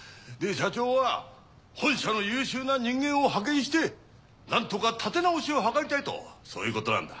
社長は本社の優秀な人間を派遣して何とか立て直しを図りたいとそういうことなんだ。